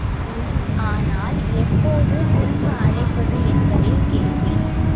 ஆனால், எப்போது திரும்ப அழைப்பது என்பதே கேள்வி!